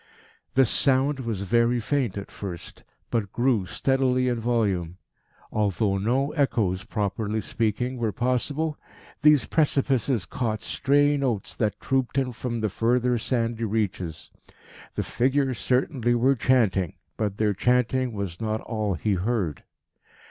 This sound was very faint at first, but grew steadily in volume. Although no echoes, properly speaking, were possible, these precipices caught stray notes that trooped in from the further sandy reaches. The figures certainly were chanting, but their chanting was not all he heard.